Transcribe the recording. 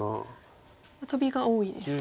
トビが多いですか。